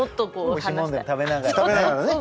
おいしいものでも食べながらね。